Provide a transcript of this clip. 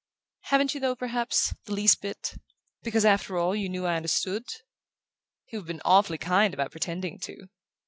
"Haven't you, though, perhaps the least bit? Because, after all, you knew I understood?" "You've been awfully kind about pretending to."